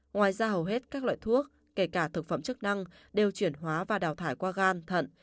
ngoài ra hầu hết các loại thuốc kể cả thực phẩm chức năng đều chuyển hóa và đào thải qua gan thận